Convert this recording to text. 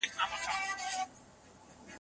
هغوی موږ ته شیدې او مستې راوړې.